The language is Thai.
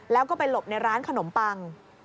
แล้วก็ไปหลบในร้านขนมปัง